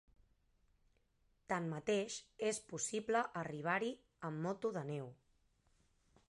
Tanmateix és possible arribar-hi amb moto de neu.